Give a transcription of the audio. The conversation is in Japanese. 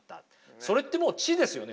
それってもう知ですよね。